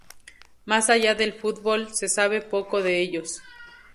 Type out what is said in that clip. Más allá del fútbol se sabe poco de ellos.